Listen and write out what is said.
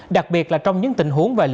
đặc biệt là trong những tình huống về lịch sử